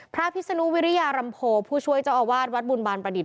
พิศนุวิริยารำโพผู้ช่วยเจ้าอาวาสวัดบุญบาลประดิษฐ